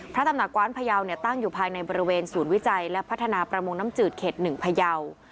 ตำหนักกว้านพยาวตั้งอยู่ภายในบริเวณศูนย์วิจัยและพัฒนาประมงน้ำจืดเขต๑พยาว